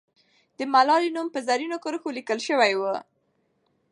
د ملالۍ نوم په زرینو کرښو لیکل سوی وو.